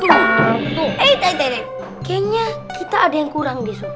kayaknya kita ada yang kurang giso